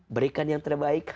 berikan yang terbaik